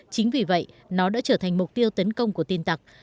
chính vì vậy nó đã trở thành mục tiêu tấn công của tin tặc